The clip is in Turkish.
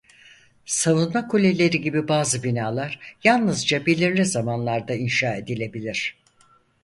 Savunma kuleleri gibi bazı binalar yalnızca belirli zamanlarda inşa edilebilir.